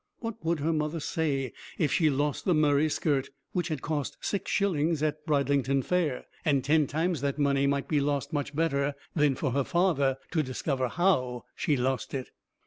What would her mother say if she lost the murrey skirt, which had cost six shillings at Bridlington fair? And ten times that money might be lost much better than for her father to discover how she lost it.